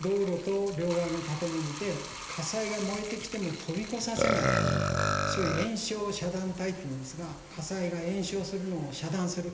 道路と両側の建物で火災が燃えてきても飛び越させないそういう延焼遮断帯っていうんですが火災が延焼するのを遮断する。